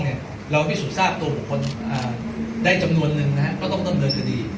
เราต้องทราบตัวกลิ่งได้จำนวนนึงก็ต้องต้นเดินทางนี้